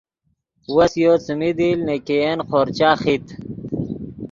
وس یو څیمین دیل نے ګین خورچہ خیت